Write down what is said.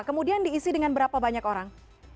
kemudian diisi dengan berapa banyak orang